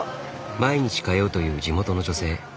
毎日通うという地元の女性。